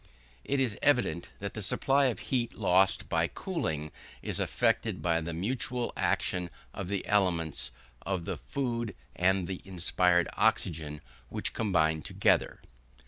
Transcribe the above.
It is evident that the supply of the heat lost by cooling is effected by the mutual action of the elements of the food and the inspired oxygen, which combine together.